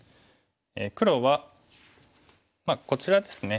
黒はこちらですね。